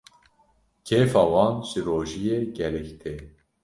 kêfa wan jî rojiyê gelek tê.